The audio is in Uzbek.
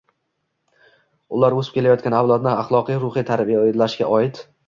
ular “o‘sib kelayotgan avlodni axloqiy-ruhiy tayyorlash”ga oid